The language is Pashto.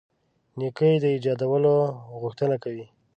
نېکۍ د ایجادولو غوښتنه کوي.